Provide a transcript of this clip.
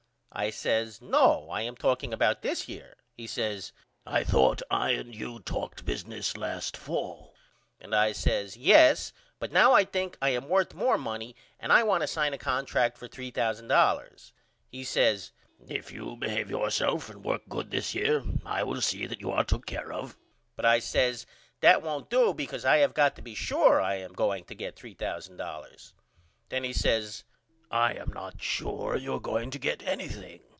I says No I am talking about this year. He says I thought I and you talked business last fall. And I says Yes but now I think I am worth more money and I want to sign a contract for $3000. He says If you behave yourself and work good this year I will see that you are took care of. But I says That won't do because I have got to be sure I am going to get $3000. Then he says I am not sure you are going to get anything.